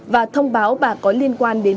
và thông báo bà có liên quan đến